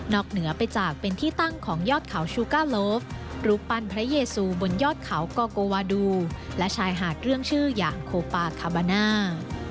เหนือไปจากเป็นที่ตั้งของยอดเขาชูก้าโลฟรูปปั้นพระเยซูบนยอดเขากอโกวาดูและชายหาดเรื่องชื่ออย่างโคปาคาบาน่า